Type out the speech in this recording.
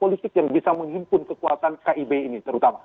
politik yang bisa menghimpun kekuatan kib ini terutama